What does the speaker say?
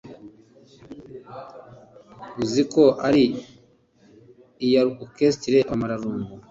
uzi ko ari iya Orchestre Abamararungu.